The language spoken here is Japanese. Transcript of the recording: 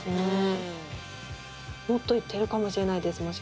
もっといってるかもしれないです